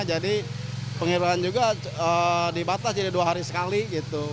jadi pengiriman juga dibatas jadi dua hari sekali gitu